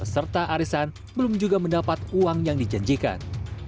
serta arisan belum juga mendapat uang yang dijanjikan